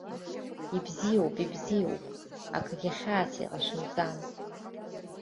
Ибзиоуп, ибзиоуп, акгьы хьаас иҟашәымҵан.